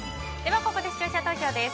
ここで視聴者投票です。